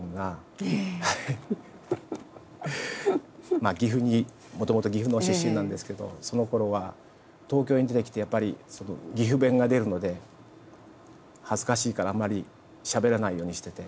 まあ岐阜にもともと岐阜の出身なんですけどそのころは東京に出てきてやっぱり岐阜弁が出るので恥ずかしいからあんまりしゃべらないようにしてて。